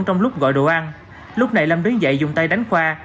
trong lúc gọi đồ ăn lúc này lâm đứng dậy dùng tay đánh khoa